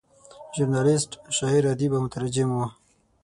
ژورنالیسټ، شاعر، ادیب او مترجم و.